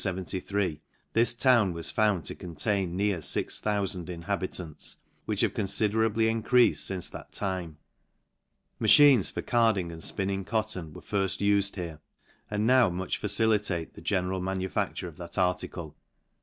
this town was found to contain near 6oco inhabi tants, which have confiderably encreafed fince that, time. Machines for carding and fpinning cotton were firft ufed here, and now much facilitate the general manufacture of that article.